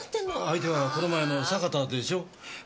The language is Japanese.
相手はこの前の坂田でしょ？